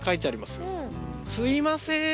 すいません！